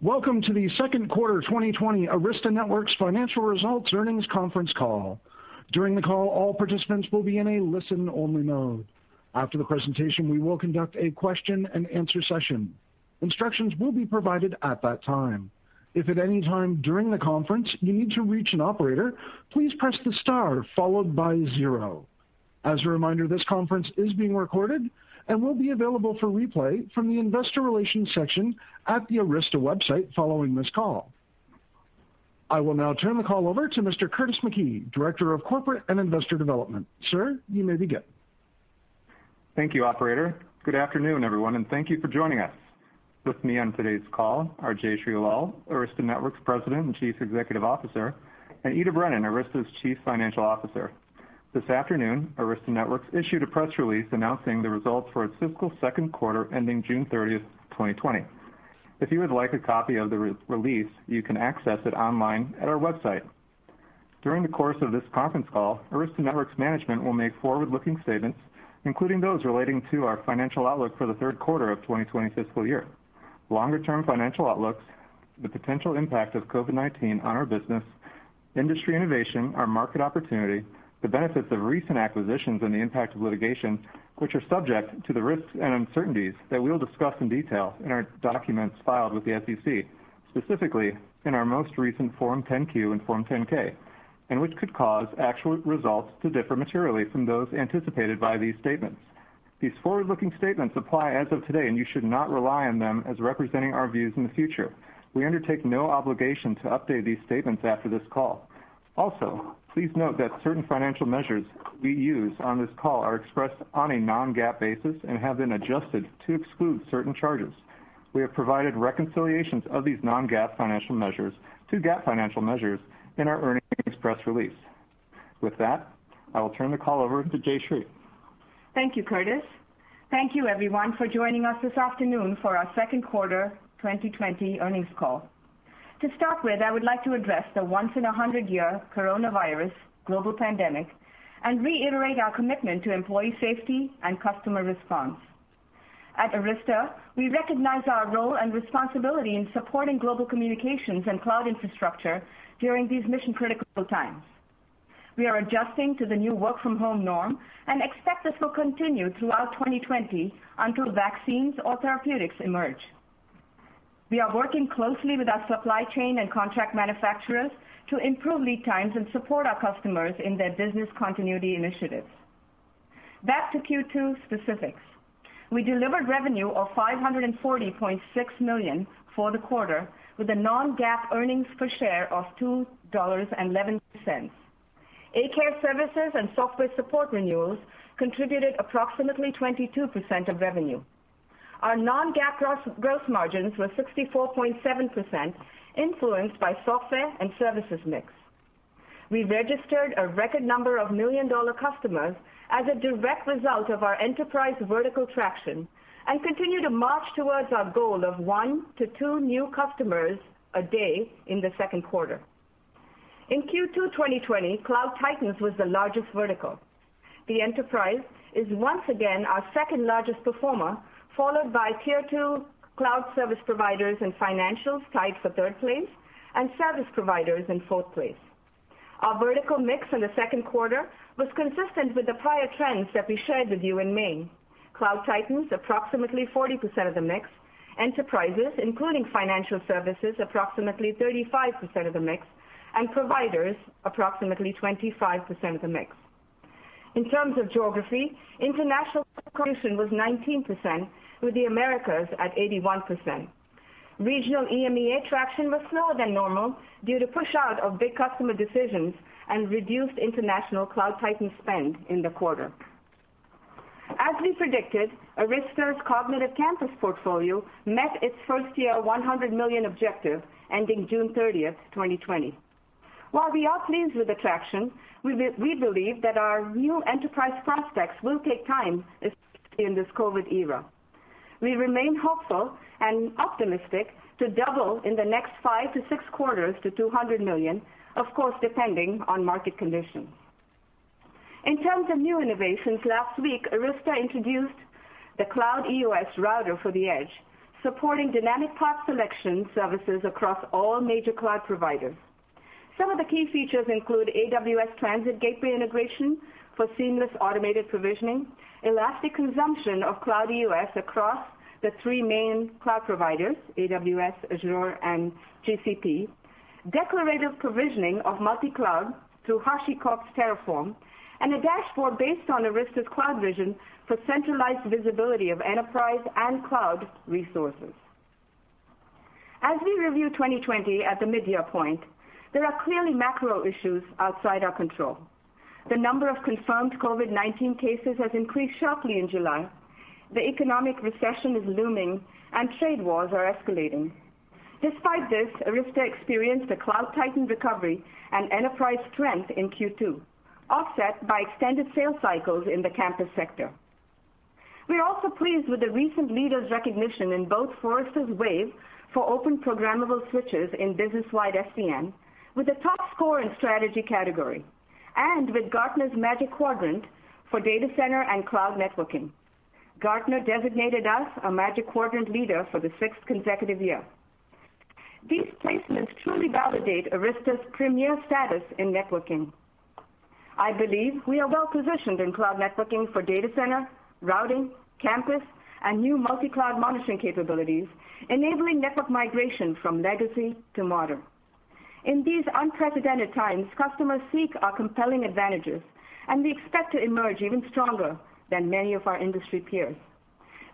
Welcome to the second quarter 2020 Arista Networks financial results earnings conference call. During the call, all participants will be in a listen-only mode. After the presentation, we will conduct a question and answer session. Instructions will be provided at that time. If at any time during the conference you need to reach an operator, please press the star followed by zero. As a reminder, this conference is being recorded and will be available for replay from the investor relations section at the Arista website following this call. I will now turn the call over to Mr. Curtis McKee, Director of Corporate and Investor Development. Sir, you may begin. Thank you, operator. Good afternoon, everyone, and thank you for joining us. With me on today's call are Jayshree Ullal, Arista Networks President and Chief Executive Officer, and Ita Brennan, Arista's Chief Financial Officer. This afternoon, Arista Networks issued a press release announcing the results for its fiscal second quarter ending June 30th, 2020. If you would like a copy of the release, you can access it online at our website. During the course of this conference call, Arista Networks management will make forward-looking statements, including those relating to our financial outlook for the third quarter of 2020 fiscal year, longer-term financial outlooks, the potential impact of COVID-19 on our business, industry innovation, our market opportunity, the benefits of recent acquisitions, and the impact of litigation, which are subject to the risks and uncertainties that we'll discuss in detail in our documents filed with the SEC, specifically in our most recent Form 10-Q and Form 10-K, and which could cause actual results to differ materially from those anticipated by these statements. These forward-looking statements apply as of today, and you should not rely on them as representing our views in the future. We undertake no obligation to update these statements after this call. Also, please note that certain financial measures we use on this call are expressed on a non-GAAP basis and have been adjusted to exclude certain charges. We have provided reconciliations of these non-GAAP financial measures to GAAP financial measures in our earnings press release. With that, I will turn the call over to Jayshree. Thank you, Curtis. Thank you, everyone, for joining us this afternoon for our second quarter 2020 earnings call. To start with, I would like to address the once-in-a-100-year coronavirus global pandemic and reiterate our commitment to employee safety and customer response. At Arista, we recognize our role and responsibility in supporting global communications and cloud infrastructure during these mission-critical times. We are adjusting to the new work-from-home norm and expect this will continue throughout 2020 until vaccines or therapeutics emerge. We are working closely with our supply chain and contract manufacturers to improve lead times and support our customers in their business continuity initiatives. Back to Q2 specifics. We delivered revenue of $540.6 million for the quarter, with a non-GAAP earnings per share of $2.11. A-Care services and software support renewals contributed approximately 22% of revenue. Our non-GAAP gross margins were 64.7%, influenced by software and services mix. We registered a record number of million-dollar customers as a direct result of our Enterprise vertical traction and continued to march towards our goal of one to two new customers a day in the second quarter. In Q2 2020, Cloud Titans was the largest vertical. The Enterprise is once again our second-largest performer, followed by tier 2 cloud service providers and financials tied for third place, and service Providers in fourth place. Our vertical mix in the second quarter was consistent with the prior trends that we shared with you in May. Cloud Titans, approximately 40% of the mix. Enterprises, including financial services, approximately 35% of the mix, and Providers, approximately 25% of the mix. In terms of geography, international contribution was 19%, with the Americas at 81%. Regional EMEA traction was slower than normal due to push-out of big customer decisions and reduced international Cloud Titan spend in the quarter. As we predicted, Arista's Cognitive Campus portfolio met its first-year $100 million objective ending June 30, 2020. While we are pleased with the traction, we believe that our new enterprise prospects will take time, especially in this COVID era. We remain hopeful and optimistic to double in the next five to six quarters to $200 million, of course, depending on market conditions. In terms of new innovations, last week, Arista introduced the CloudEOS router for the Edge, supporting dynamic path selection services across all major cloud providers. Some of the key features include AWS Transit Gateway integration for seamless automated provisioning, elastic consumption of CloudEOS across the three main cloud providers, AWS, Azure, and GCP, declarative provisioning of multi-cloud through HashiCorp Terraform, and a dashboard based on Arista's CloudVision for centralized visibility of enterprise and cloud resources. As we review 2020 at the midyear point, there are clearly macro issues outside our control. The number of confirmed COVID-19 cases has increased sharply in July. The economic recession is looming, and trade wars are escalating. Despite this, Arista experienced a Cloud Titan recovery and enterprise strength in Q2, offset by extended sales cycles in the campus sector. We are also pleased with the recent leaders recognition in both Forrester Wave for open programmable switches in business-wide SDN with a top score in strategy category. With Gartner's Magic Quadrant for data center and cloud networking. Gartner designated us a Magic Quadrant leader for the sixth consecutive year. These placements truly validate Arista's premier status in networking. I believe we are well-positioned in cloud networking for data center, routing, campus, and new multi-cloud monitoring capabilities, enabling network migration from legacy to modern. In these unprecedented times, customers seek our compelling advantages, and we expect to emerge even stronger than many of our industry peers.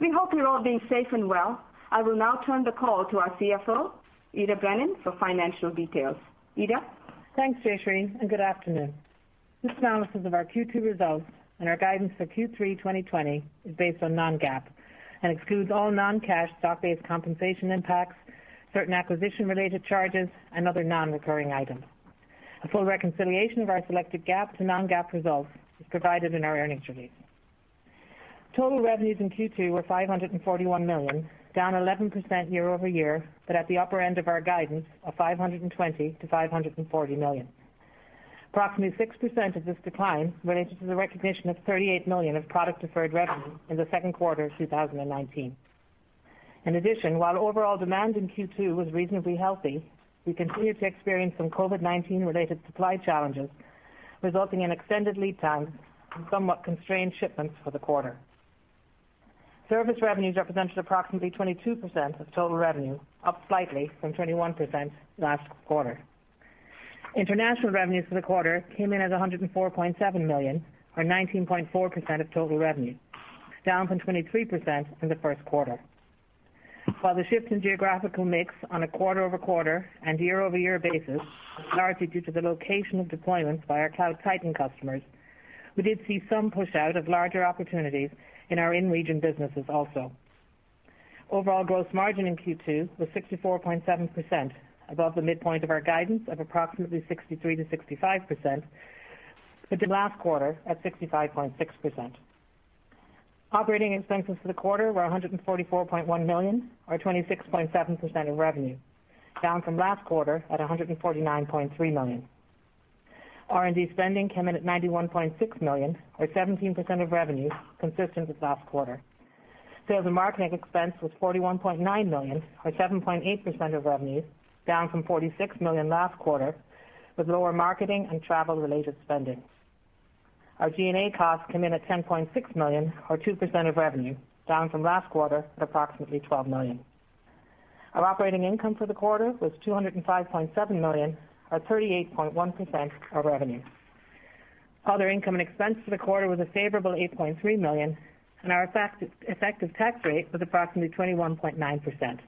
We hope you're all being safe and well. I will now turn the call to our CFO, Ita Brennan, for financial details. Ita? Thanks, Jayshree. Good afternoon. This analysis of our Q2 results and our guidance for Q3 2020 is based on non-GAAP and excludes all non-cash stock-based compensation impacts, certain acquisition-related charges, and other non-recurring items. A full reconciliation of our selected GAAP to non-GAAP results is provided in our earnings release. Total revenues in Q2 were $541 million, down 11% year-over-year, but at the upper end of our guidance of $520 million-$540 million. Approximately 6% of this decline related to the recognition of $38 million of product deferred revenue in the second quarter of 2019. In addition, while overall demand in Q2 was reasonably healthy, we continue to experience some COVID-19 related supply challenges, resulting in extended lead times and somewhat constrained shipments for the quarter. Service revenues represented approximately 22% of total revenue, up slightly from 21% last quarter. International revenues for the quarter came in at $104.7 million, or 19.4% of total revenue, down from 23% in the first quarter. While the shift in geographical mix on a quarter-over-quarter and year-over-year basis was largely due to the location of deployments by our Cloud Titan customers, we did see some push out of larger opportunities in our in-region businesses also. Overall gross margin in Q2 was 64.7%, above the midpoint of our guidance of approximately 63%-65%, to the last quarter at 65.6%. Operating expenses for the quarter were $144.1 million, or 26.7% of revenue, down from last quarter at $149.3 million. R&D spending came in at $91.6 million, or 17% of revenue, consistent with last quarter. Sales and marketing expense was $41.9 million or 7.8% of revenue, down from $46 million last quarter with lower marketing and travel-related spending. Our G&A costs came in at $10.6 million or 2% of revenue, down from last quarter at approximately $12 million. Our operating income for the quarter was $205.7 million, or 38.1% of revenue. Other income and expense for the quarter was a favorable $8.3 million and our effective tax rate was approximately 21.9%.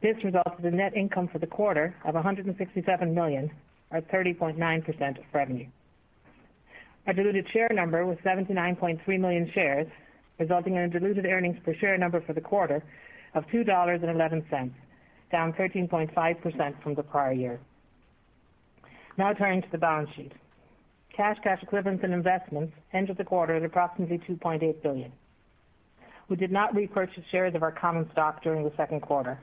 This resulted in net income for the quarter of $167 million, or 30.9% of revenue. Our diluted share number was 79.3 million shares, resulting in a diluted earnings per share number for the quarter of $2.11, down 13.5% from the prior year. Now turning to the balance sheet. Cash, cash equivalents, and investments ended the quarter at approximately $2.8 billion. We did not repurchase shares of our common stock during the second quarter.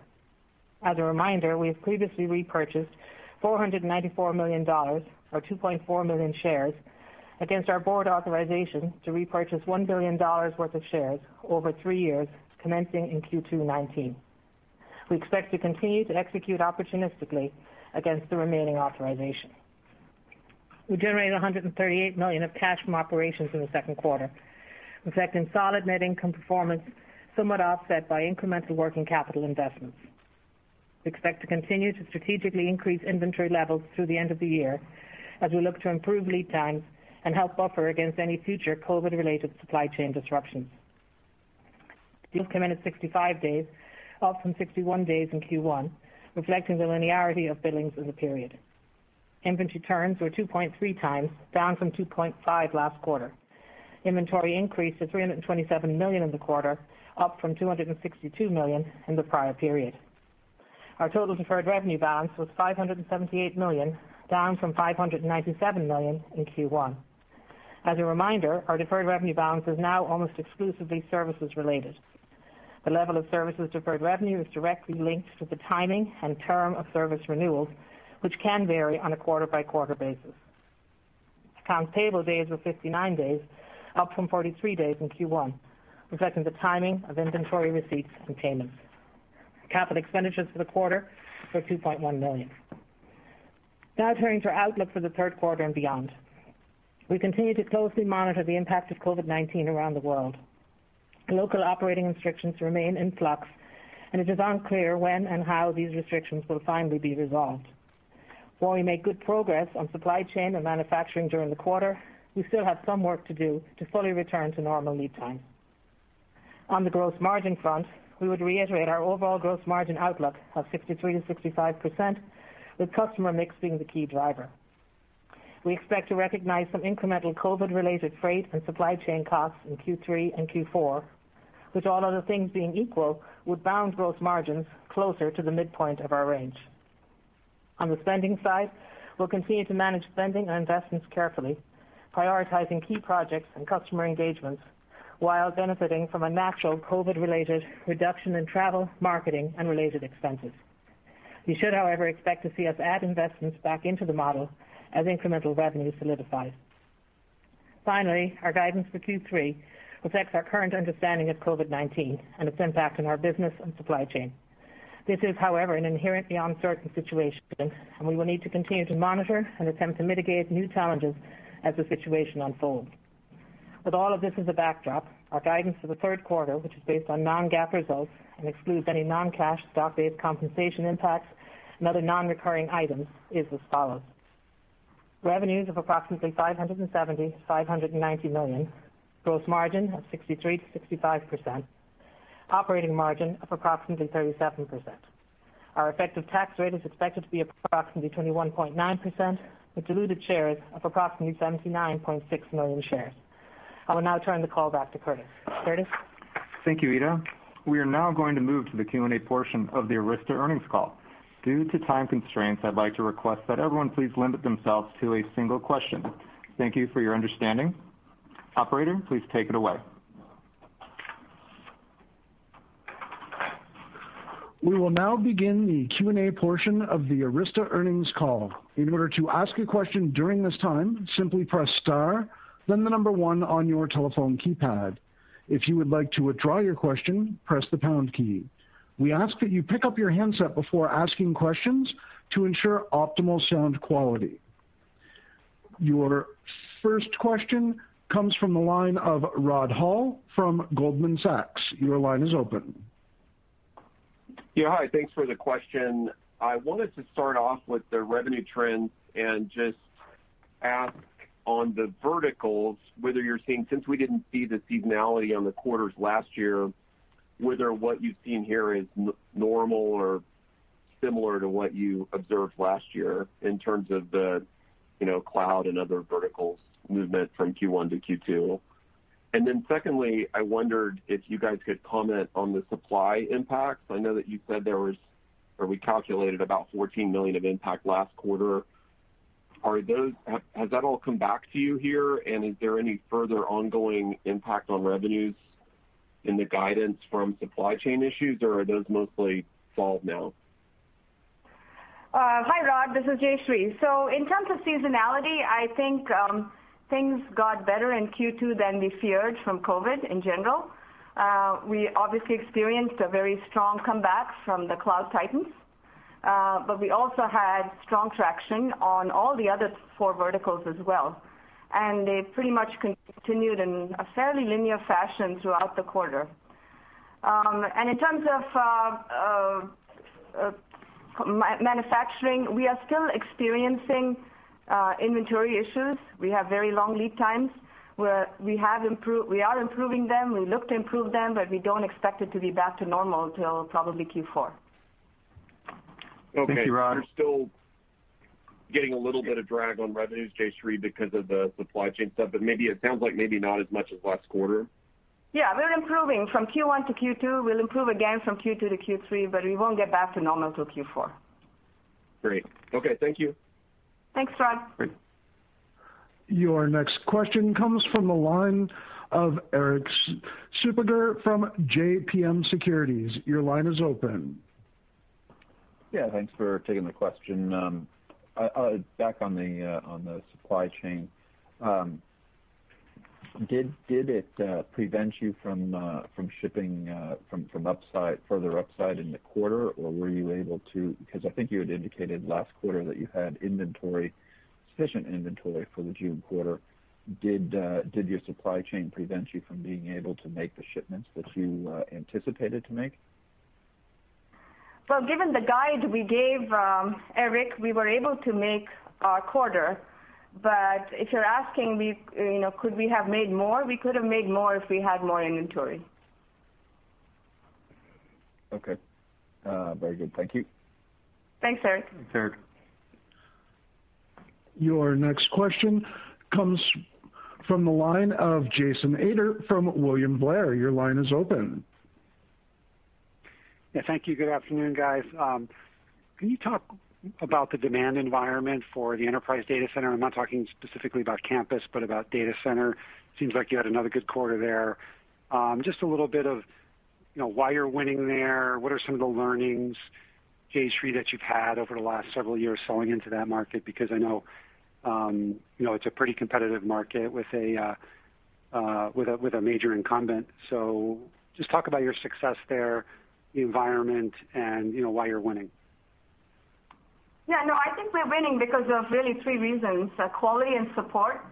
As a reminder, we have previously repurchased $494 million, or 2.4 million shares, against our board authorization to repurchase $1 billion worth of shares over three years commencing in Q2 2019. We expect to continue to execute opportunistically against the remaining authorization. We generated $138 million of cash from operations in the second quarter, reflecting solid net income performance, somewhat offset by incremental working capital investments. We expect to continue to strategically increase inventory levels through the end of the year as we look to improve lead times and help buffer against any future COVID-related supply chain disruptions. DSOs come in at 65 days, up from 61 days in Q1, reflecting the linearity of billings in the period. Inventory turns were 2.3 times, down from 2.5 last quarter. Inventory increased to $327 million in the quarter, up from $262 million in the prior period. Our total deferred revenue balance was $578 million, down from $597 million in Q1. As a reminder, our deferred revenue balance is now almost exclusively services related. The level of services deferred revenue is directly linked to the timing and term of service renewals, which can vary on a quarter-by-quarter basis. Accounts payable days were 59 days, up from 43 days in Q1, reflecting the timing of inventory receipts and payments. Capital expenditures for the quarter were $2.1 million. Turning to our outlook for the third quarter and beyond. We continue to closely monitor the impact of COVID-19 around the world. Local operating restrictions remain in flux, and it is unclear when and how these restrictions will finally be resolved. While we made good progress on supply chain and manufacturing during the quarter, we still have some work to do to fully return to normal lead time. On the gross margin front, we would reiterate our overall gross margin outlook of 63%-65%, with customer mix being the key driver. We expect to recognize some incremental COVID-related freight and supply chain costs in Q3 and Q4, which all other things being equal, would bound gross margins closer to the midpoint of our range. On the spending side, we'll continue to manage spending and investments carefully, prioritizing key projects and customer engagements while benefiting from a natural COVID-related reduction in travel, marketing and related expenses. You should, however, expect to see us add investments back into the model as incremental revenue solidifies. Our guidance for Q3 affects our current understanding of COVID-19 and its impact on our business and supply chain. This is, however, an inherently uncertain situation, and we will need to continue to monitor and attempt to mitigate new challenges as the situation unfolds. With all of this as a backdrop, our guidance for the third quarter, which is based on non-GAAP results and excludes any non-cash stock-based compensation impacts and other non-recurring items, is as follows. Revenues of approximately $570 million-$590 million, gross margin of 63%-65%, operating margin of approximately 37%. Our effective tax rate is expected to be approximately 21.9%, with diluted shares of approximately 79.6 million shares. I will now turn the call back to Curtis. Curtis? Thank you, Ita. We are now going to move to the Q&A portion of the Arista earnings call. Due to time constraints, I'd like to request that everyone please limit themselves to a single question. Thank you for your understanding. Operator, please take it away. We will now begin the Q&A portion of the Arista earnings call. In order to ask a question during this time, simply press star, then the number one on your telephone keypad. If you would like to withdraw your question, press the pound key. We ask that you pick up your handset before asking questions to ensure optimal sound quality. Your first question comes from the line of Rod Hall from Goldman Sachs. Your line is open. Yeah. Hi. Thanks for the question. I wanted to start off with the revenue trends and just ask on the verticals, since we didn't see the seasonality on the quarters last year, whether what you've seen here is normal or similar to what you observed last year in terms of the cloud and other verticals movement from Q1 to Q2. Secondly, I wondered if you guys could comment on the supply impacts. I know that you said there was, or we calculated about $14 million of impact last quarter. Has that all come back to you here, and is there any further ongoing impact on revenues in the guidance from supply chain issues, or are those mostly solved now? Hi, Rod. This is Jayshree. In terms of seasonality, I think things got better in Q2 than we feared from COVID-19 in general. We obviously experienced a very strong comeback from the Cloud Titans, but we also had strong traction on all the other four verticals as well, and they pretty much continued in a fairly linear fashion throughout the quarter. In terms of manufacturing, we are still experiencing inventory issues. We have very long lead times. We are improving them. We look to improve them, but we don't expect it to be back to normal till probably Q4. Thank you, Rod. Okay. You're still getting a little bit of drag on revenues, Jayshree, because of the supply chain stuff, but it sounds like maybe not as much as last quarter. Yeah, we're improving from Q1 to Q2. We'll improve again from Q2 to Q3. We won't get back to normal till Q4. Great. Okay. Thank you. Thanks, Rod. Great. Your next question comes from the line of Erik Suppiger from JMP Securities. Your line is open. Yeah. Thanks for taking the question. Back on the supply chain. Did it prevent you from shipping further upside in the quarter? I think you had indicated last quarter that you had sufficient inventory for the June quarter. Did your supply chain prevent you from being able to make the shipments that you anticipated to make? Well, given the guide we gave, Erik, we were able to make our quarter. If you're asking could we have made more? We could have made more if we had more inventory. Okay. Very good. Thank you. Thanks, Erik. Thanks, Erik. Your next question comes from the line of Jason Ader from William Blair. Your line is open. Yeah. Thank you. Good afternoon, guys. Can you talk about the demand environment for the enterprise data center? I'm not talking specifically about campus, but about data center. Seems like you had another good quarter there. Just a little bit of why you're winning there. What are some of the learnings, Jayshree, that you've had over the last several years selling into that market? I know it's a pretty competitive market with a major incumbent. Just talk about your success there, the environment, and why you're winning. Yeah, no. I think we're winning because of really three reasons. Quality and support.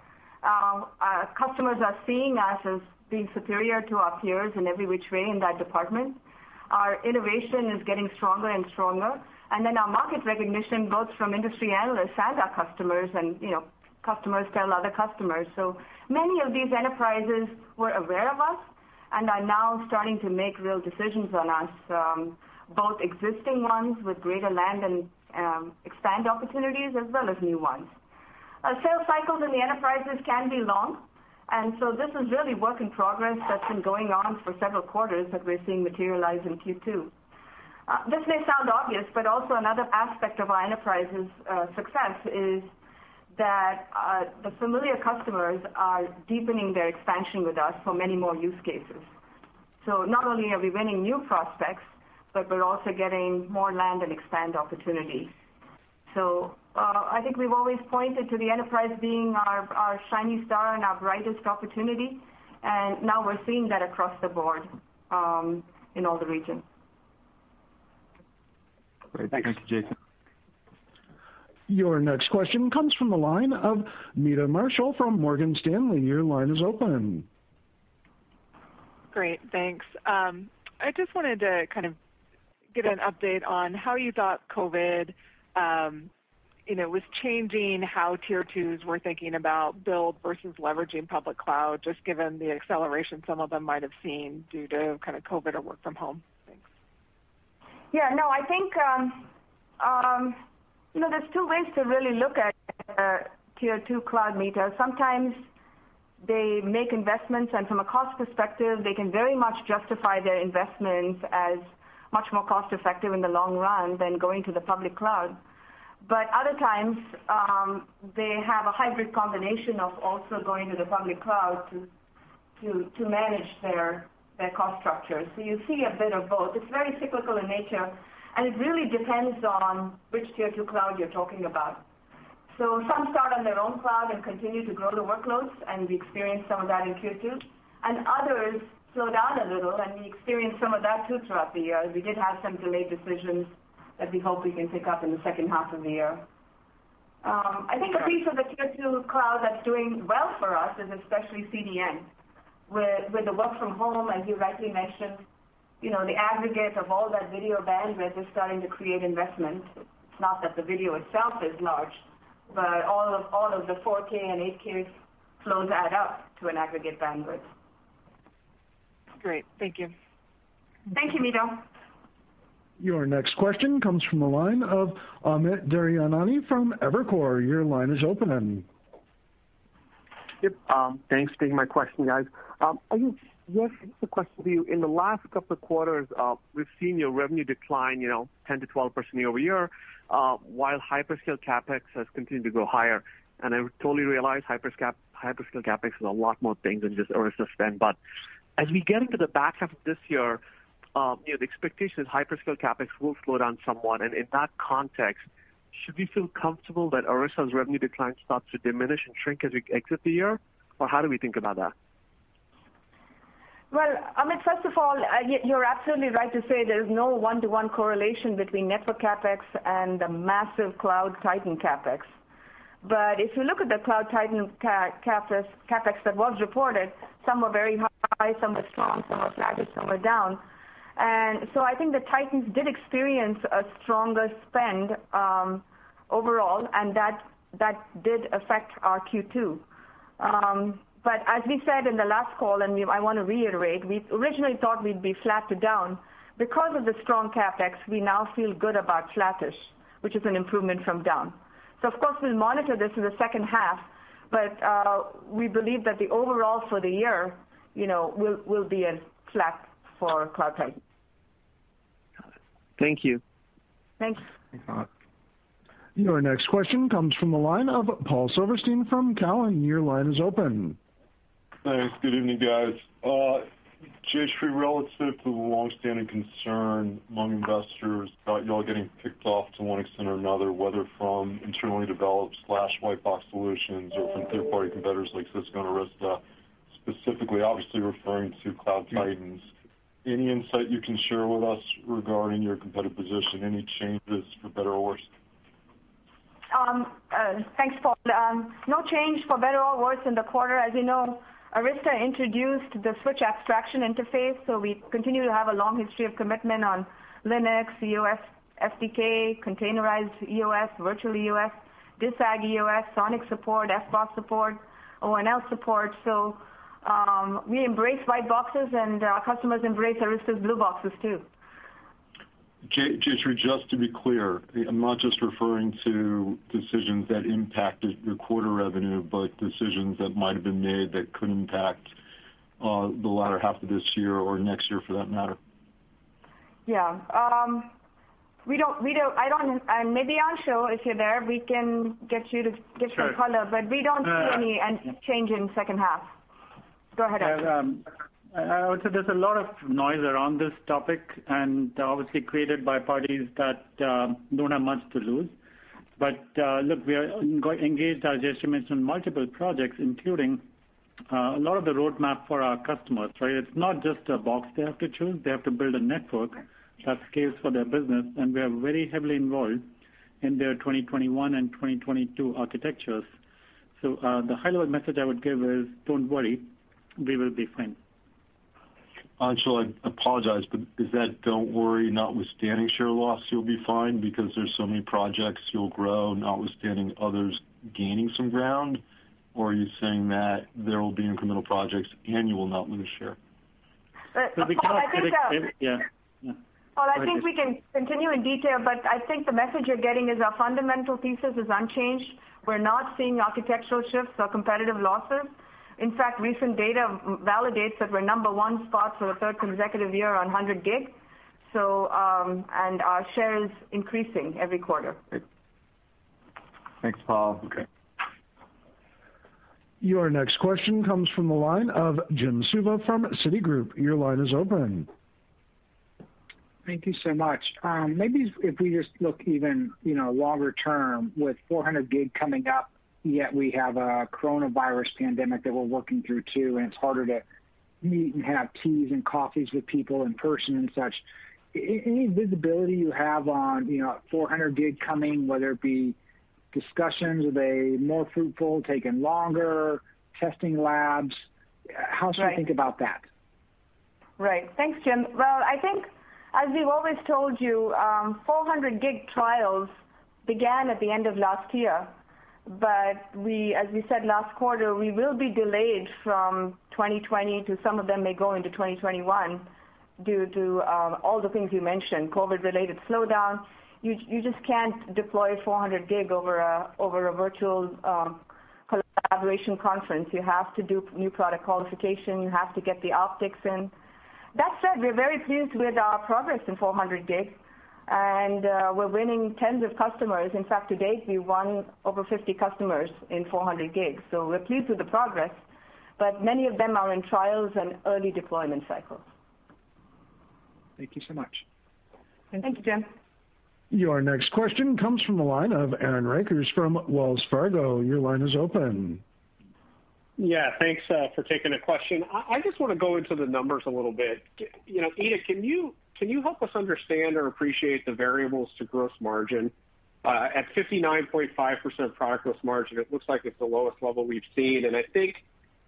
Our customers are seeing us as being superior to our peers in every which way in that department. Our innovation is getting stronger and stronger. Our market recognition, both from industry analysts and our customers, and customers tell other customers. Many of these enterprises were aware of us and are now starting to make real decisions on us, both existing ones with greater land and expand opportunities as well as new ones. Our sales cycles in the enterprises can be long, and so this is really work in progress that's been going on for several quarters that we're seeing materialize in Q2. This may sound obvious, also another aspect of our enterprise's success is that the familiar customers are deepening their expansion with us for many more use cases. Not only are we winning new prospects, but we're also getting more land and expand opportunities. I think we've always pointed to the enterprise being our shiny star and our brightest opportunity, and now we're seeing that across the board in all the regions. Great. Thanks. Thank you, Jason. Your next question comes from the line of Meta Marshall from Morgan Stanley. Your line is open. Great, thanks. I just wanted to kind of get an update on how you thought COVID was changing how tier 2s were thinking about build versus leveraging public cloud, just given the acceleration some of them might have seen due to kind of COVID or work from home. Thanks. Yeah, no, I think there's two ways to really look at tier 2 cloud, Meta. Sometimes they make investments and from a cost perspective, they can very much justify their investments as much more cost effective in the long run than going to the public cloud. Other times, they have a hybrid combination of also going to the public cloud to manage their cost structure. You see a bit of both. It's very cyclical in nature, and it really depends on which tier 2 cloud you're talking about. Some start on their own cloud and continue to grow the workloads, and we experienced some of that in Q2, and others slow down a little, and we experienced some of that too throughout the year, as we did have some delayed decisions that we hope we can pick up in the second half of the year. I think a piece of the tier 2 cloud that's doing well for us is especially CDN. With the work from home, as you rightly mentioned, the aggregate of all that video bandwidth is starting to create investment. It's not that the video itself is large, but all of the 4K and 8K flows add up to an aggregate bandwidth. Great. Thank you. Thank you, Meta. Your next question comes from the line of Amit Daryanani from Evercore. Your line is open. Yep. Thanks for taking my question, guys. Yes, just a question for you. In the last couple of quarters, we've seen your revenue decline 10%-12% year-over-year, while hyperscale CapEx has continued to go higher. I totally realize hyperscale CapEx is a lot more things than just Arista spend. As we get into the back half of this year, the expectation is hyperscale CapEx will slow down somewhat. In that context, should we feel comfortable that Arista's revenue decline starts to diminish and shrink as we exit the year? How do we think about that? Well, Amit, first of all, you're absolutely right to say there's no one-to-one correlation between network CapEx and the massive Cloud Titan CapEx. If you look at the Cloud Titan CapEx that was reported, some were very high, some were strong, some were flattish, some were down. I think the Cloud Titans did experience a stronger spend overall and that did affect our Q2. As we said in the last call, and I want to reiterate, we originally thought we'd be flat to down. Because of the strong CapEx we now feel good about flattish, which is an improvement from down. Of course, we'll monitor this in the second half, but we believe that the overall for the year will be a flat for Cloud Titans. Got it. Thank you. Thanks. Thanks, Amit. Your next question comes from the line of Paul Silverstein from Cowen. Your line is open. Thanks. Good evening, guys. Jayshree, relative to the longstanding concern among investors about y'all getting picked off to one extent or another, whether from internally developed/white box solutions or from third-party competitors like Cisco and Arista, specifically obviously referring to Cloud Titans. Any insight you can share with us regarding your competitive position? Any changes for better or worse? Thanks, Paul. No change for better or worse in the quarter. As you know, Arista introduced the Switch Abstraction Interface, so we continue to have a long history of commitment on Linux, EOS, SDK, Containerized EOS, vEOS, disagg EOS, SONiC support, FBOSS support, ONL support. We embrace white boxes, and our customers embrace Arista's blue boxes, too. Jayshree, just to be clear, I'm not just referring to decisions that impacted your quarter revenue, but decisions that might have been made that could impact the latter half of this year or next year for that matter. Yeah. Maybe Anshul, if you're there, we can get you to give some color. Sure. We don't see any change in second half. Go ahead, Anshul. I would say there's a lot of noise around this topic, and obviously created by parties that don't have much to lose. Look, we are engaged, as Jayshree mentioned, multiple projects, including a lot of the roadmap for our customers, right? It's not just a box they have to choose. They have to build a network that scales for their business, and we are very heavily involved in their 2021 and 2022 architectures. The high-level message I would give is don't worry, we will be fine. Anshul, I apologize, but is that, "Don't worry, notwithstanding share loss, you'll be fine because there's so many projects you'll grow notwithstanding others gaining some ground"? Are you saying that there will be incremental projects and you will not lose share? The kind of- I think. Yeah. Paul, I think we can continue in detail, but I think the message you're getting is our fundamental thesis is unchanged. We're not seeing architectural shifts or competitive losses. In fact, recent data validates that we're number one spot for the third consecutive year on 100 GbE, and our share is increasing every quarter. Great. Thanks, Paul. Okay. Your next question comes from the line of Jim Suva from Citigroup. Your line is open. Thank you so much. Maybe if we just look even longer term with 400G coming up, yet we have a coronavirus pandemic that we're working through, too, and it's harder to meet and have teas and coffees with people in person and such. Any visibility you have on 400G coming, whether it be discussions, are they more fruitful, taking longer, testing labs? Right. How should I think about that? Thanks, Jim. I think as we've always told you, 400G trials began at the end of last year, but as we said last quarter, we will be delayed from 2020 to some of them may go into 2021 due to all the things you mentioned, COVID-related slowdowns. You just can't deploy 400G over a virtual collaboration conference. You have to do new product qualification. You have to get the optics in. That said, we're very pleased with our progress in 400G, and we're winning tens of customers. In fact, to date, we won over 50 customers in 400G. We're pleased with the progress, but many of them are in trials and early deployment cycles. Thank you so much. Thank you, Jim. Your next question comes from the line of Aaron Rakers from Wells Fargo. Your line is open. Yeah. Thanks for taking the question. I just want to go into the numbers a little bit. Ita, can you help us understand or appreciate the variables to gross margin? At 59.5% product gross margin, it looks like it's the lowest level we've seen. I think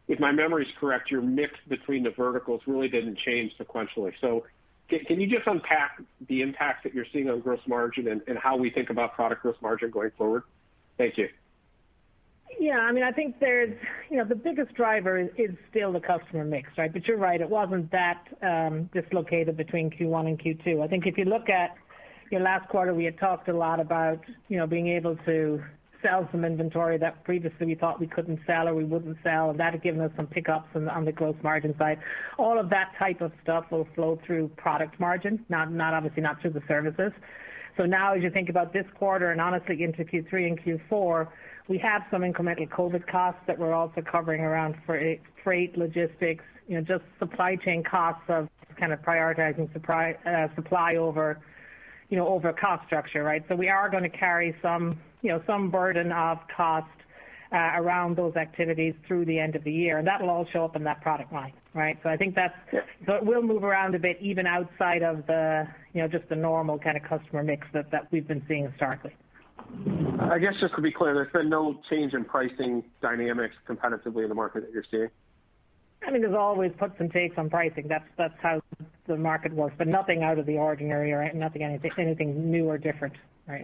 if my memory's correct, your mix between the verticals really didn't change sequentially. Can you just unpack the impact that you're seeing on gross margin and how we think about product gross margin going forward? Thank you. Yeah, I think the biggest driver is still the customer mix. You're right, it wasn't that dislocated between Q1 and Q2. I think if you look at last quarter, we had talked a lot about being able to sell some inventory that previously we thought we couldn't sell or we wouldn't sell, and that had given us some pickups on the gross margin side. All of that type of stuff will flow through product margin, obviously not through the services. Now as you think about this quarter and honestly into Q3 and Q4, we have some incremental COVID costs that we're also covering around freight, logistics, just supply chain costs of kind of prioritizing supply over cost structure. We are going to carry some burden of cost around those activities through the end of the year. That will all show up in that product line. I think that will move around a bit, even outside of just the normal kind of customer mix that we've been seeing historically. I guess just to be clear, there's been no change in pricing dynamics competitively in the market that you're seeing? There's always puts and takes on pricing. That's how the market works, but nothing out of the ordinary. Nothing, anything new or different.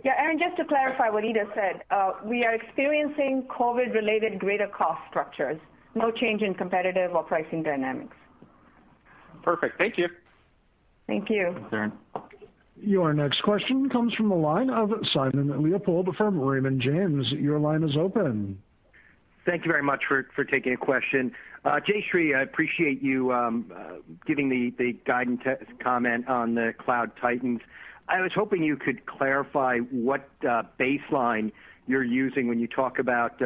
Yeah, Aaron, just to clarify what Ita said, we are experiencing COVID-related greater cost structures, no change in competitive or pricing dynamics. Perfect. Thank you. Thank you. Thanks, Aaron. Your next question comes from the line of Simon Leopold from Raymond James. Your line is open. Thank you very much for taking a question. Jayshree, I appreciate you giving the guidance comment on the Cloud Titans. I was hoping you could clarify what baseline you're using when you talk about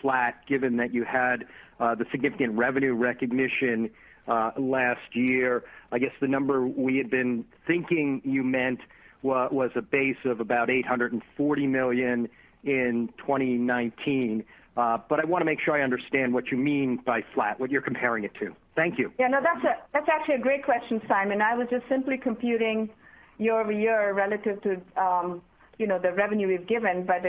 flat, given that you had the significant revenue recognition last year. I guess the number we had been thinking you meant was a base of about $840 million in 2019. I want to make sure I understand what you mean by flat, what you're comparing it to. Thank you. Yeah, no, that's actually a great question, Simon. I was just simply computing year-over-year relative to the revenue we've given, but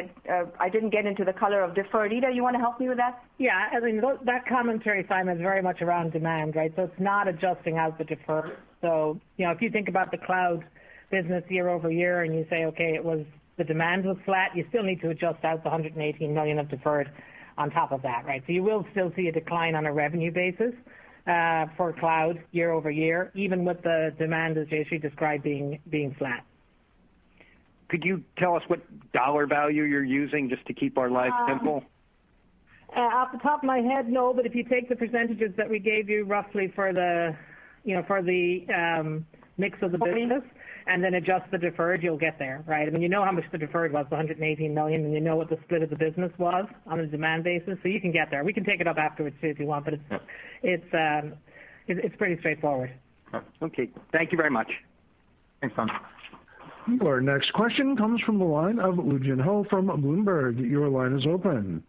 I didn't get into the color of deferred. Ita, you want to help me with that? Yeah. I mean, that commentary, Simon, is very much around demand. It's not adjusting out the deferred. If you think about the cloud business year-over-year, and you say, "Okay, the demand was flat," you still need to adjust out the $118 million of deferred on top of that. You will still see a decline on a revenue basis for cloud year-over-year, even with the demand, as Jayshree described, being flat. Could you tell us what dollar value you're using, just to keep our lives simple? Off the top of my head, no, but if you take the percentages that we gave you roughly for the mix of the business and then adjust the deferred, you'll get there. I mean, you know how much the deferred was, $118 million, and you know what the split of the business was on a demand basis, so you can get there. We can take it up afterwards too, if you want, but it's pretty straightforward. Okay. Thank you very much. Thanks, Simon. Our next question comes from the line of Woo Jin Ho from Bloomberg. Your line is open.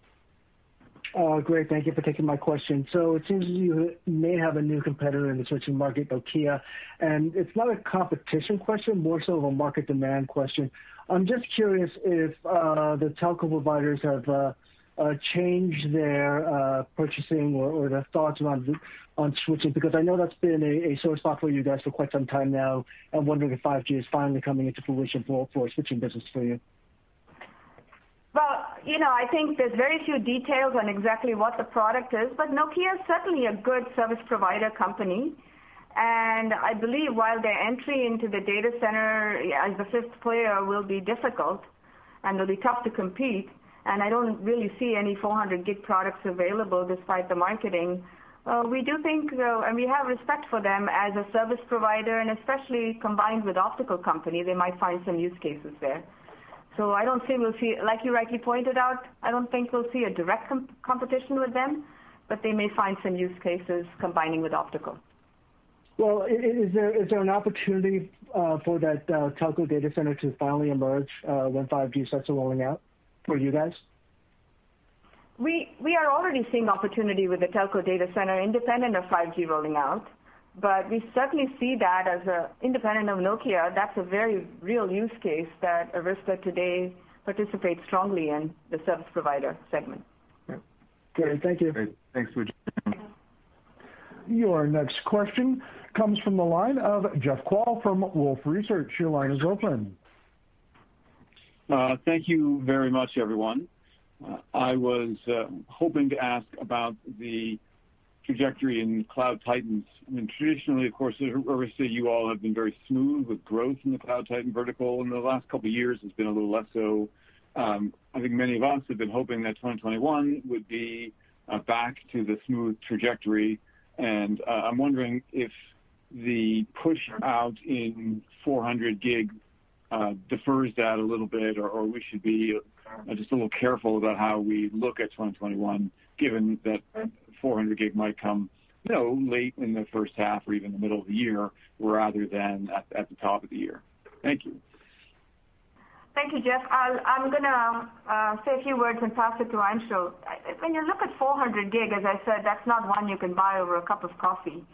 Oh, great. Thank you for taking my question. It seems you may have a new competitor in the switching market, Nokia. It's not a competition question, more so of a market demand question. I'm just curious if the telco providers have changed their purchasing or their thoughts on switching, because I know that's been a sore spot for you guys for quite some time now. I'm wondering if 5G is finally coming into fruition for switching business for you. Well, I think there's very few details on exactly what the product is. Nokia is certainly a good service provider company. I believe while their entry into the data center as the fifth player will be difficult and it'll be tough to compete, and I don't really see any 400G products available despite the marketing. We have respect for them as a service provider, and especially combined with optical company, they might find some use cases there. I don't think we'll see, like you rightly pointed out, I don't think we'll see a direct competition with them, but they may find some use cases combining with optical. Well, is there an opportunity for that telco data center to finally emerge when 5G starts rolling out for you guys? We are already seeing opportunity with the telco data center independent of 5G rolling out, but we certainly see that as independent of Nokia. That's a very real use case that Arista today participates strongly in the service provider segment. Okay. Great. Thank you. Great. Thanks, Woo Jin. Your next question comes from the line of Jeff Kvaal from Wolfe Research. Your line is open. Thank you very much, everyone. I was hoping to ask about the trajectory in Cloud Titans. I mean, traditionally, of course, at Arista, you all have been very smooth with growth in the Cloud Titan vertical. In the last couple of years, it's been a little less so. I think many of us have been hoping that 2021 would be back to the smooth trajectory. I'm wondering if the push out in 400G defers that a little bit. We should be just a little careful about how we look at 2021, given that 400G might come late in the first half or even the middle of the year, rather than at the top of the year. Thank you. Thank you, Jeff. I'm going to say a few words and pass it to Anshul. When you look at 400G, as I said, that's not one you can buy over a cup of coffee.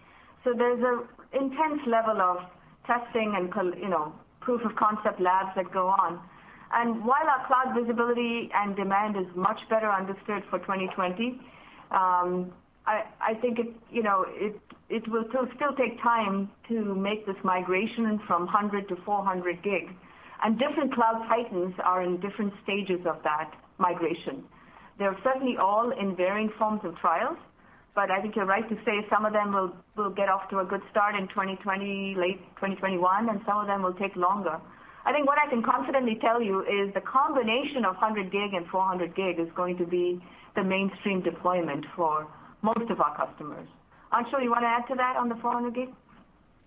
There's an intense level of testing and proof of concept labs that go on. While our cloud visibility and demand is much better understood for 2020, I think it will still take time to make this migration from 100 to 400G. Different Cloud Titans are in different stages of that migration. They're certainly all in varying forms of trials, but I think you're right to say some of them will get off to a good start in 2020, late 2021, and some of them will take longer. I think what I can confidently tell you is the combination of 100G and 400G is going to be the mainstream deployment for most of our customers. Anshul, you want to add to that on the 400G?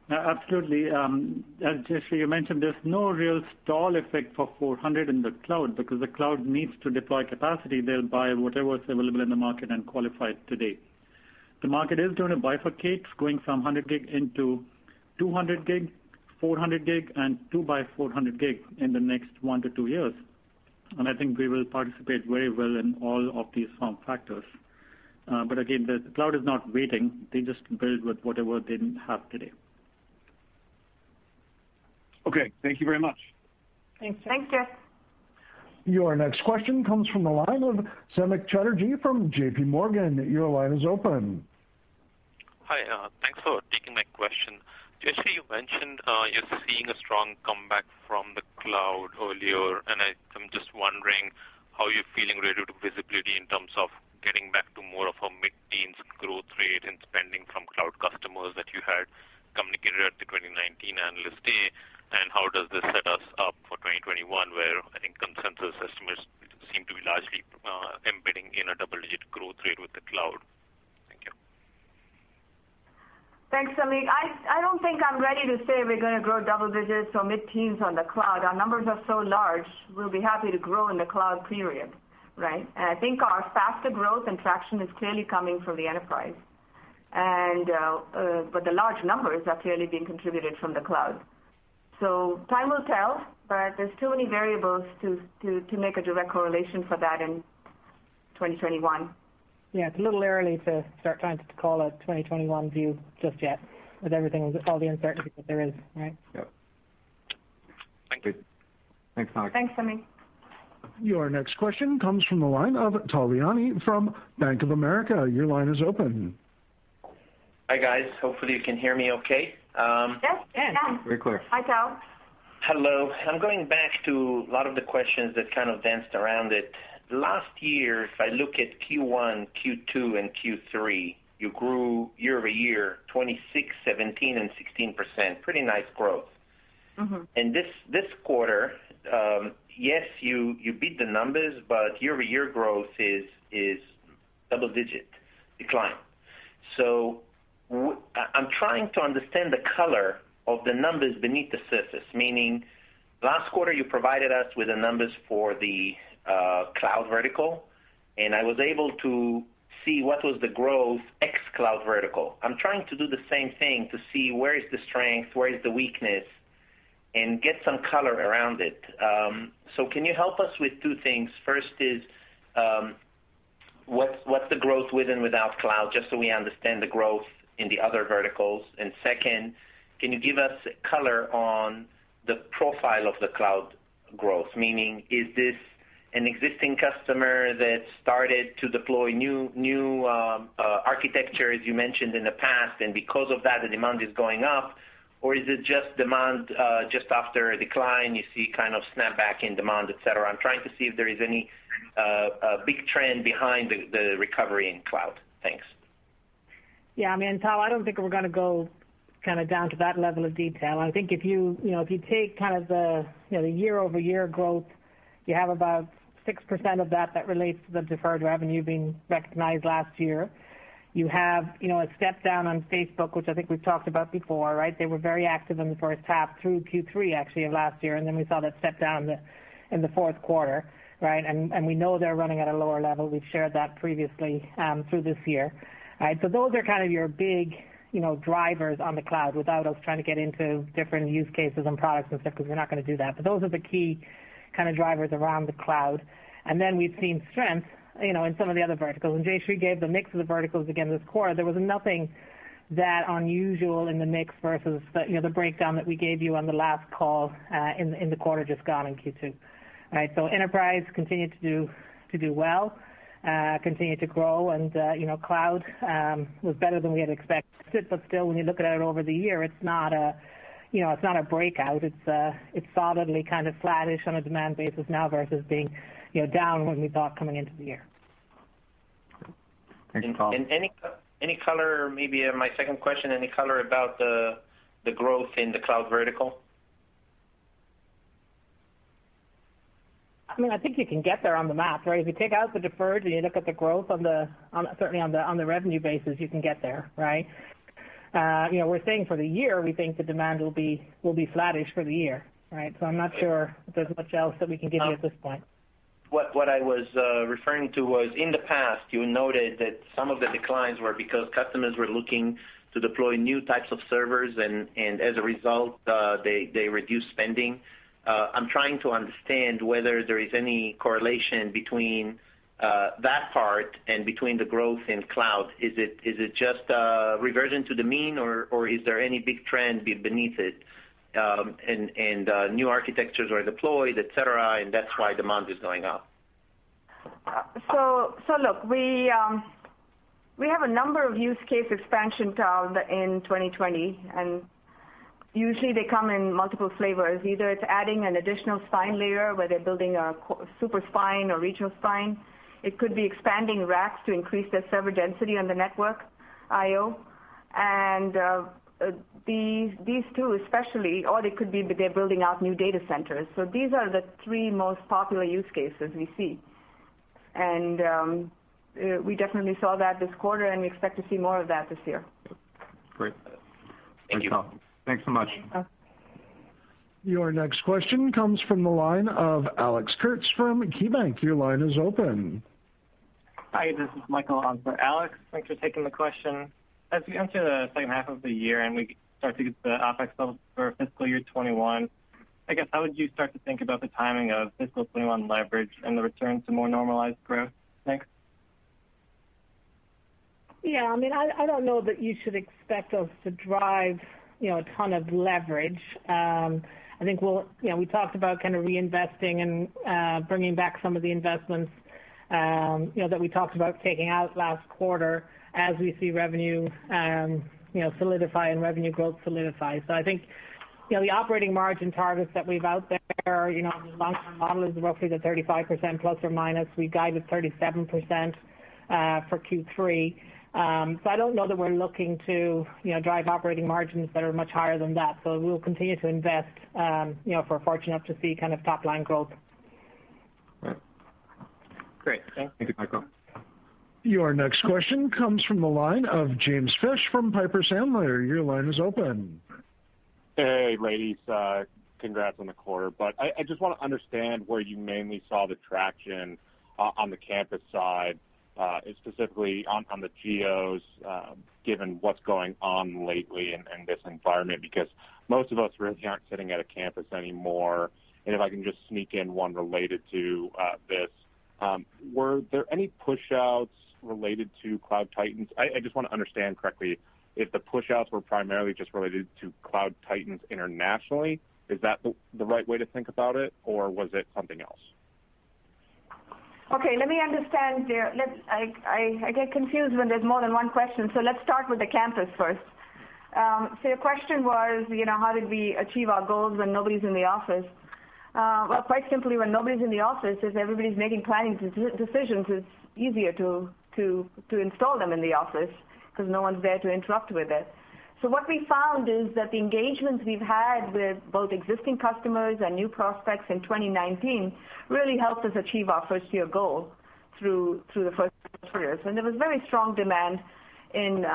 Absolutely. As Jayshree mentioned, there's no real stall effect for 400 in the cloud because the cloud needs to deploy capacity. They'll buy whatever is available in the market and qualified today. The market is going to bifurcate, going from 100G into 200G, 400G, and two by 400G in the next one to two years. I think we will participate very well in all of these form factors. Again, the cloud is not waiting. They just build with whatever they have today. Okay. Thank you very much. Thanks, Jeff. Your next question comes from the line of Samik Chatterjee from JPMorgan. Your line is open. Hi. Thanks for taking my question. Jayshree, you mentioned you're seeing a strong comeback from the cloud earlier. I'm just wondering how you're feeling relative visibility in terms of getting back to more of a mid-teens growth rate and spending from cloud customers that you had communicated at the 2019 Analyst Day. How does this set us up for 2021, where I think consensus estimates seem to be largely embedding in a double-digit growth rate with the cloud? Thank you. Thanks, Samik. I don't think I'm ready to say we're going to grow double digits or mid-teens on the cloud. Our numbers are so large, we'll be happy to grow in the cloud, period. Right? I think our faster growth and traction is clearly coming from the enterprise. The large numbers are clearly being contributed from the cloud. Time will tell, but there's too many variables to make a direct correlation for that in 2021. Yeah, it's a little early to start trying to call a 2021 view just yet with everything, with all the uncertainty that there is, right? Yep. Thank you. Thanks. Thanks, Samik. Your next question comes from the line of Tal Liani from Bank of America. Your line is open. Hi, guys. Hopefully you can hear me okay. Yes. Yeah. Very clear. Hi, Tal. Hello. I'm going back to a lot of the questions that kind of danced around it. Last year, if I look at Q1, Q2, and Q3, you grew year-over-year 26%, 17%, and 16%. Pretty nice growth. This quarter, yes, you beat the numbers, but year-over-year growth is double-digit decline. I'm trying to understand the color of the numbers beneath the surface, meaning last quarter you provided us with the numbers for the cloud vertical, and I was able to see what was the growth ex cloud vertical. I'm trying to do the same thing to see where is the strength, where is the weakness, and get some color around it. Can you help us with two things? First is, what's the growth with and without cloud, just so we understand the growth in the other verticals. Second, can you give us color on the profile of the cloud growth? Meaning, is this an existing customer that started to deploy new architecture, as you mentioned in the past, and because of that, the demand is going up? Is it just demand just after a decline, you see kind of snap back in demand, et cetera? I'm trying to see if there is any big trend behind the recovery in cloud. Thanks. Yeah, Tal, I don't think we're going to go down to that level of detail. I think if you take the year-over-year growth, you have about 6% of that relates to the deferred revenue being recognized last year. You have a step down on Facebook, which I think we've talked about before, right? They were very active in the first half through Q3 actually of last year, and then we saw that step down in the fourth quarter, right? We know they're running at a lower level. We've shared that previously through this year. Right? Those are your big drivers on the cloud without us trying to get into different use cases and products and stuff, because we're not going to do that. Those are the key drivers around the cloud. We've seen strength in some of the other verticals. Jayshree gave the mix of the verticals again this quarter. There was nothing that unusual in the mix versus the breakdown that we gave you on the last call in the quarter just gone in Q2. Right? Enterprise continued to do well, continued to grow, and cloud was better than we had expected. Still, when you look at it over the year, it's not a breakout. It's solidly flattish on a demand basis now versus being down when we thought coming into the year. Any color, maybe my second question, any color about the growth in the cloud vertical? I think you can get there on the math, right? If you take out the deferred and you look at the growth, certainly on the revenue basis, you can get there, right? We're saying for the year, we think the demand will be flattish for the year, right? I'm not sure if there's much else that we can give you at this point. What I was referring to was in the past, you noted that some of the declines were because customers were looking to deploy new types of servers, and as a result, they reduced spending. I'm trying to understand whether there is any correlation between that part and between the growth in cloud. Is it just a reversion to the mean, or is there any big trend beneath it, and new architectures are deployed, et cetera, and that's why demand is going up? Look, we have a number of use case expansion, Tal, in 2020, and usually they come in multiple flavors. Either it's adding an additional spine layer, where they're building a super spine or regional spine. It could be expanding racks to increase their server density on the network IO. These two especially, or they could be they're building out new data centers. These are the three most popular use cases we see. We definitely saw that this quarter, and we expect to see more of that this year. Great. Thank you. Thanks so much. Okay. Your next question comes from the line of Alex Kurtz from KeyBanc. Your line is open. Hi, this is Michael on for Alex. Thanks for taking the question. As we enter the second half of the year, and we start to get to the OpEx levels for fiscal year 2021, I guess how would you start to think about the timing of fiscal 2021 leverage and the return to more normalized growth? Thanks. Yeah, I don't know that you should expect us to drive a ton of leverage. I think we talked about kind of reinvesting and bringing back some of the investments that we talked about taking out last quarter as we see revenue solidify and revenue growth solidify. I think, the operating margin targets that we've out there on the long-term model is roughly the 35% plus or minus. We guided 37% for Q3. I don't know that we're looking to drive operating margins that are much higher than that. We'll continue to invest if we're fortunate enough to see top-line growth. Great. Thanks. Thank you, Michael. Your next question comes from the line of James Fish from Piper Sandler. Your line is open. Hey, ladies. Congrats on the quarter. I just want to understand where you mainly saw the traction on the campus side, specifically on the geos, given what's going on lately in this environment, because most of us really aren't sitting at a campus anymore. If I can just sneak in one related to this. Were there any push-outs related to Cloud Titans? I just want to understand correctly if the push-outs were primarily just related to Cloud Titans internationally. Is that the right way to think about it, or was it something else? Okay. Let me understand there. I get confused when there's more than one question. Let's start with the campus first. Your question was, how did we achieve our goals when nobody's in the office? Well, quite simply, when nobody's in the office, everybody's making planning decisions. It's easier to install them in the office because no one's there to interrupt with it. What we found is that the engagements we've had with both existing customers and new prospects in 2019 really helped us achieve our first-year goal through the first three years. There was very strong demand in,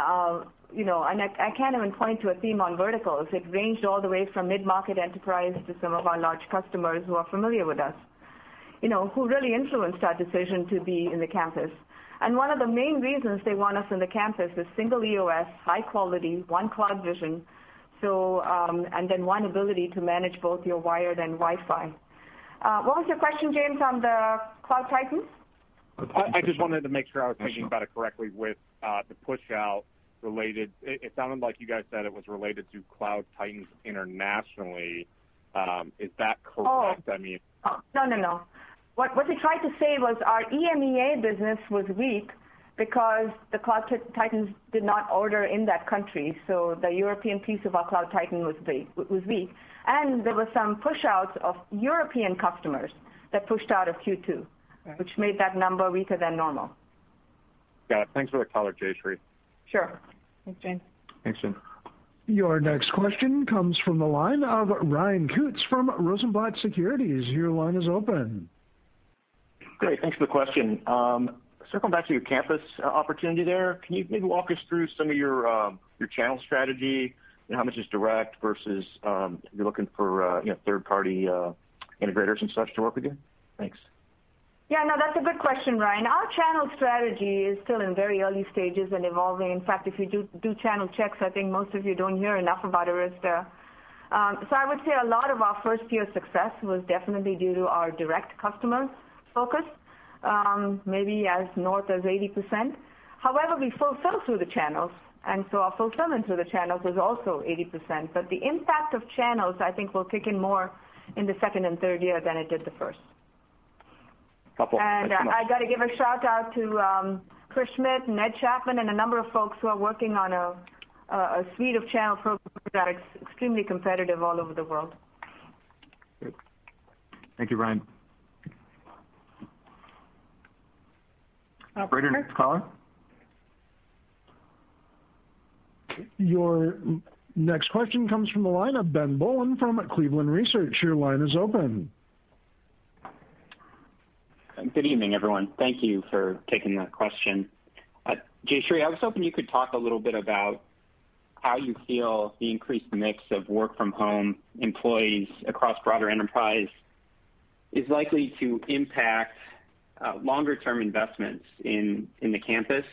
and I can't even point to a theme on verticals. It ranged all the way from mid-market enterprise to some of our large customers who are familiar with us, who really influenced our decision to be in the campus. One of the main reasons they want us in the campus is single EOS, high quality, one CloudVision, and then one ability to manage both your wired and Wi-Fi. What was your question, James, on the Cloud Titans? I just wanted to make sure I was thinking about it correctly with the push-out related. It sounded like you guys said it was related to Cloud Titans internationally. Is that correct? What we tried to say was our EMEA business was weak because the Cloud Titans did not order in that country. The European piece of our Cloud Titan was weak. There were some pushouts of European customers that pushed out of Q2, which made that number weaker than normal. Got it. Thanks for the color, Jayshree. Sure. Thanks, James. Thanks, James. Your next question comes from the line of Ryan Koontz from Rosenblatt Securities. Your line is open. Great. Thanks for the question. Circling back to your campus opportunity there, can you maybe walk us through some of your channel strategy and how much is direct versus if you're looking for third-party integrators and such to work with you? Thanks. That's a good question, Ryan. Our channel strategy is still in very early stages and evolving. In fact, if you do channel checks, I think most of you don't hear enough about Arista. I would say a lot of our first-year success was definitely due to our direct customer focus, maybe as north as 80%. We full sell through the channels, our fulfillment through the channels was also 80%. The impact of channels, I think, will kick in more in the second and third year than it did the first. No problem. Thanks so much. I got to give a shout-out to Chris Schmidt, Ed Chapman, and a number of folks who are working on a suite of channel programs that are extremely competitive all over the world. Thank you, Ryan. Operator, next caller? Your next question comes from the line of Ben Bollin from Cleveland Research. Your line is open. Good evening, everyone. Thank you for taking the question. Jayshree, I was hoping you could talk a little bit about how you feel the increased mix of work from home employees across broader enterprise is likely to impact longer-term investments in the campus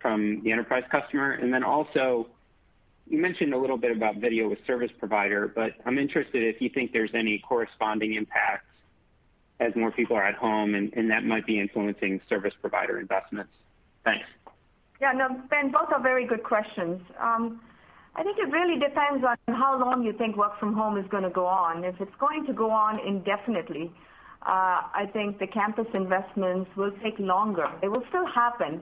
from the enterprise customer. Then also, you mentioned a little bit about video with service provider, but I'm interested if you think there's any corresponding impacts as more people are at home and that might be influencing service provider investments. Thanks. Yeah, no, Ben, both are very good questions. I think it really depends on how long you think work from home is going to go on. If it's going to go on indefinitely, I think the campus investments will take longer. It will still happen.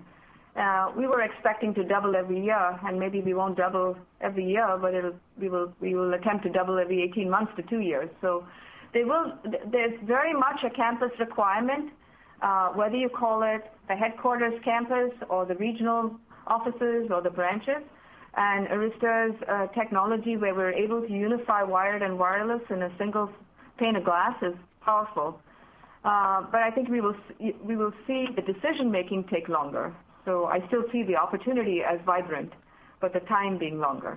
We were expecting to double every year, and maybe we won't double every year, but we will attempt to double every 18 months to two years. There's very much a campus requirement, whether you call it the headquarters campus or the regional offices or the branches. Arista's technology, where we're able to unify wired and wireless in a single pane of glass, is powerful. I think we will see the decision-making take longer. I still see the opportunity as vibrant, but the time being longer.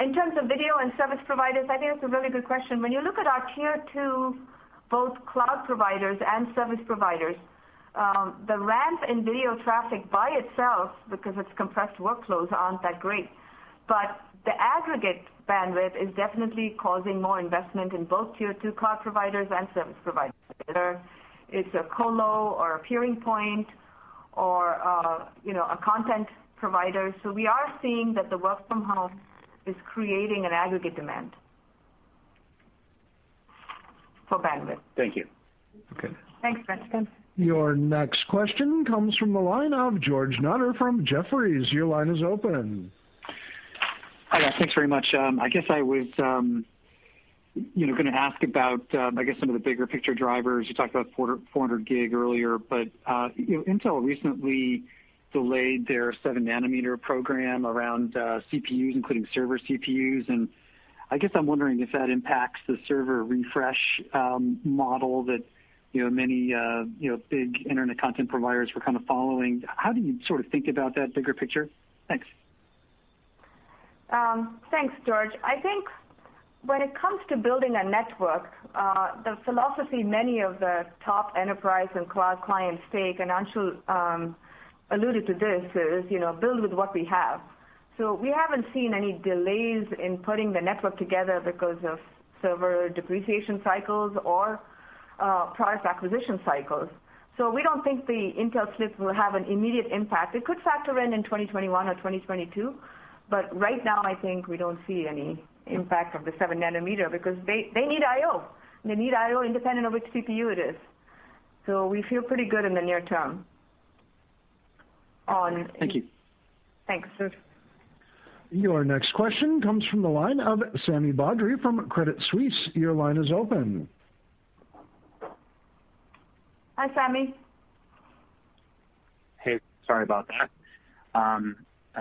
In terms of video and service providers, I think that's a really good question. When you look at our Tier 2, both cloud providers and service providers, the ramps in video traffic by itself, because it's compressed workloads, aren't that great. The aggregate bandwidth is definitely causing more investment in both Tier 2 cloud providers and service providers, whether it's a colo or a peering point or a content provider. We are seeing that the work from home is creating an aggregate demand for bandwidth. Thank you. Okay. Thanks, Ben. Your next question comes from the line of George Notter from Jefferies. Your line is open. Hi, guys. Thanks very much. I guess I was going to ask about some of the bigger picture drivers. You talked about 400G earlier, but Intel recently delayed their 7 nm program around CPUs, including server CPUs. I guess I'm wondering if that impacts the server refresh model that many big internet content providers were kind of following. How do you sort of think about that bigger picture? Thanks. Thanks, George. I think when it comes to building a network, the philosophy many of the top enterprise and cloud clients take, and Anshul alluded to this, is build with what we have. We haven't seen any delays in putting the network together because of server depreciation cycles or product acquisition cycles. We don't think the Intel slip will have an immediate impact. It could factor in in 2021 or 2022, but right now, I think we don't see any impact of the 7 nm because they need I/O. They need I/O independent of which CPU it is. We feel pretty good in the near term. Thank you. Thanks, George. Your next question comes from the line of Sami Badri from Credit Suisse. Your line is open. Hi, Sami. Hey, sorry about that.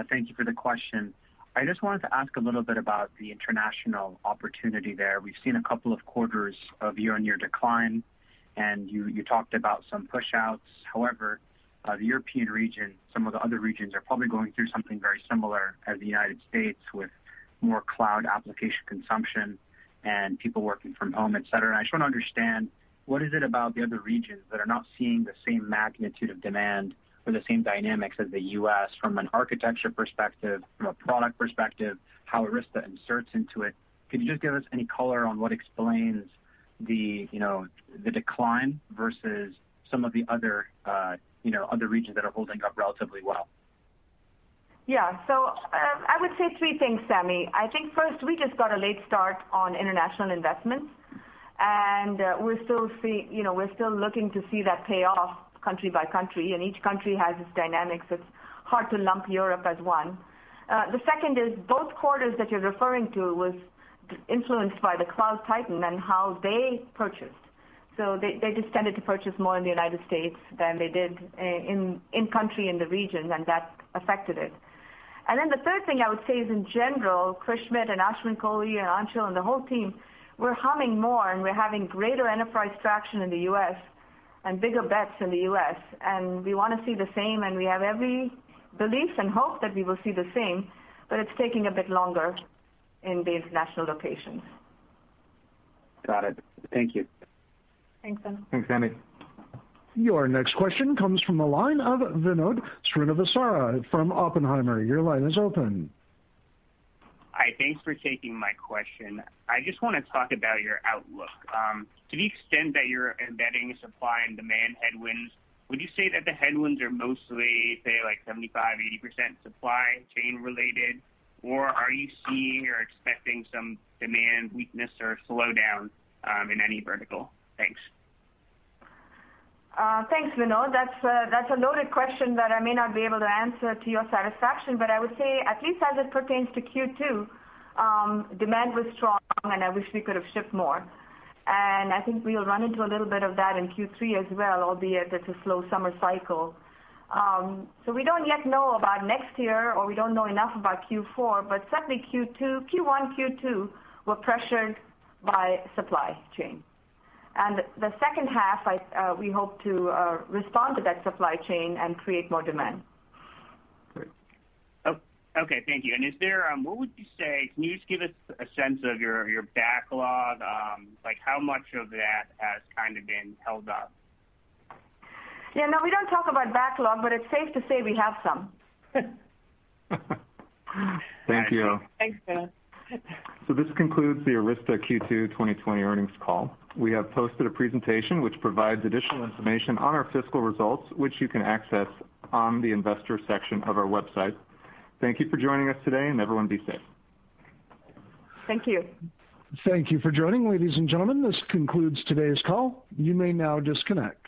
Thank you for the question. I just wanted to ask a little bit about the international opportunity there. We've seen a couple of quarters of year-on-year decline. You talked about some push-outs. However, the European region, some of the other regions are probably going through something very similar as the U.S. with more cloud application consumption and people working from home, et cetera. I just want to understand what is it about the other regions that are not seeing the same magnitude of demand or the same dynamics as the U.S. from an architecture perspective, from a product perspective, how Arista inserts into it. Could you just give us any color on what explains the decline versus some of the other regions that are holding up relatively well? I would say three things, Sami. I think first, we just got a late start on international investments, and we're still looking to see that pay off country by country. Hard to lump Europe as one. The second is both quarters that you're referring to was influenced by the Cloud Titans and how they purchased. They just tended to purchase more in the U.S. than they did in country, in the region, and that affected it. The third thing I would say is in general, Chris Schmidt and Ashwin Kohli and Anshul and the whole team, we're humming more, and we're having greater enterprise traction in the U.S. and bigger bets in the U.S. We want to see the same, and we have every belief and hope that we will see the same, but it's taking a bit longer in these national locations. Got it. Thank you. Thanks, Sami. Thanks, Sami. Your next question comes from the line of Vinod Srinivasaraghavan from Oppenheimer. Your line is open. Hi, thanks for taking my question. I just want to talk about your outlook. To the extent that you're embedding supply and demand headwinds, would you say that the headwinds are mostly, say, like 75%-80% supply chain related? Are you seeing or expecting some demand weakness or slowdown in any vertical? Thanks. Thanks, Vinod. That's a loaded question that I may not be able to answer to your satisfaction, but I would say at least as it pertains to Q2, demand was strong, and I wish we could have shipped more. I think we'll run into a little bit of that in Q3 as well, albeit it's a slow summer cycle. We don't yet know about next year or we don't know enough about Q4, but certainly Q1, Q2 were pressured by supply chain. The second half, we hope to respond to that supply chain and create more demand. Great. Okay. Thank you. What would you say, can you just give us a sense of your backlog? How much of that has kind of been held up? Yeah, no, we don't talk about backlog, but it's safe to say we have some. Thank you. Thanks, Vinod. This concludes the Arista Q2 2020 earnings call. We have posted a presentation which provides additional information on our fiscal results, which you can access on the investor section of our website. Thank you for joining us today, and everyone be safe. Thank you. Thank you for joining, ladies and gentlemen. This concludes today's call. You may now disconnect.